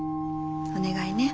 お願いね。